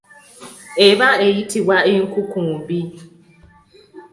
Eba eyitibwa enkukumbi.